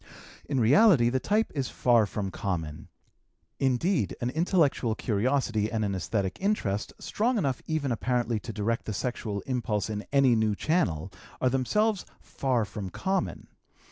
In reality the type is far from common; indeed, an intellectual curiosity and an esthetic interest, strong enough even apparently to direct the sexual impulse in any new channel, are themselves far from common.